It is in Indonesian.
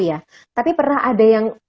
ya tapi pernah ada yang